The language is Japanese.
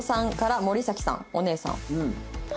お姉さん。